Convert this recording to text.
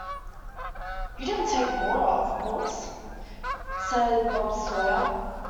‘You don’t take water, of course?’ said Bob Sawyer.